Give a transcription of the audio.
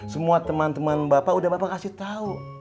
semua teman teman bapak udah bapak kasih tahu